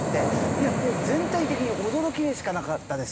いやもう全体的に驚きでしかなかったです。